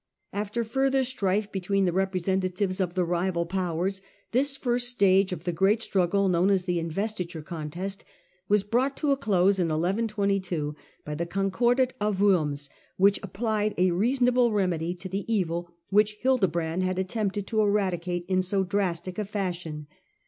After further strife between the representatives of the rival powers, this first stage of the great struggle, known as the Inves titure Contest, was brought to a close in 1122 by the Concordat of Worms, which applied a reasonable remedy to the evil which Hildebrand had attempted to eradicate in so drastic a fashion.